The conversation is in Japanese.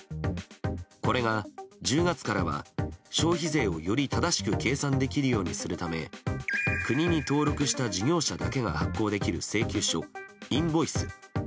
これが１０月からは消費税をより正しく計算できるようにするため国に登録した事業者だけが発行できる請求書インボイス。